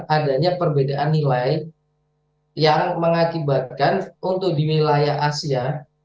adanya perbedaan nilai yang mengakibatkan untuk di wilayah asia